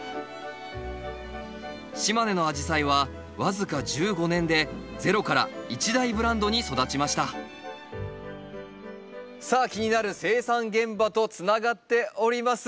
島根のアジサイは僅か１５年でゼロから一大ブランドに育ちましたさあ気になる生産現場とつながっております。